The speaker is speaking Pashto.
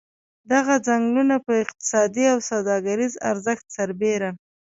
دغه څنګلونه په اقتصادي او سوداګریز ارزښت سربېره.